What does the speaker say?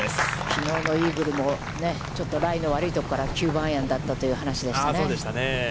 きのうのイーグルもライの悪いところから９番アイアンだったという話でしたね。